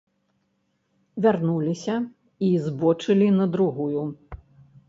Вярнуліся і збочылі на другую.